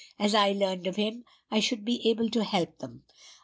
As I learned of him, I should be able to help them.